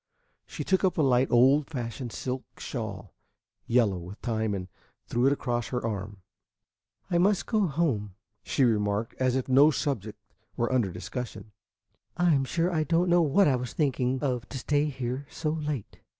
She took up a light old fashioned silk shawl, yellow with time, and threw it across her arm. "I must go home," she remarked, as if no subject were under discussion. "I am sure I don't know what I was thinking of to stay here so late."